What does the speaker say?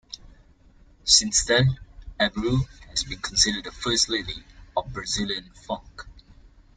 Since then, Abreu has been considered the first lady of Brazilian funk.